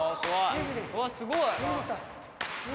うわっすごい。